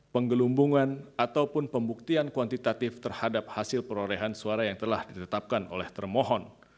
penggelumbungan ataupun pembuktian kuantitatif terhadap hasil perolehan suara yang telah ditetapkan oleh termohon